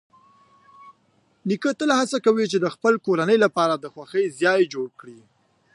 نیکه تل هڅه کوي چې د خپل کورنۍ لپاره د خوښۍ ځای جوړ کړي.